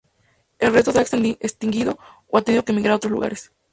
El resto se ha extinguido o ha tenido que emigrar a otros lugares.